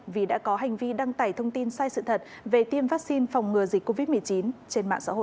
vì đã có hành vi đăng tải thông tin sai sự thật về tiêm vaccine phòng ngừa dịch covid một mươi chín trên mạng xã hội